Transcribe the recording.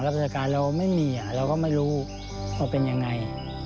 ราชการเราไม่มีเราก็ไม่รู้ว่าเป็นยังไง